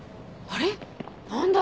あれ。